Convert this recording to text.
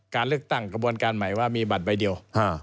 การเลือกตั้งกระบวนการใหม่ว่ามีบัตรใบเดียว